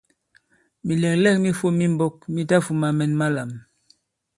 Mìlɛ̀glɛ᷇k mi fōm i mbōk mi tafūma mɛn malām.